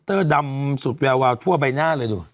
เอาทั่วใบหน้าเลยดู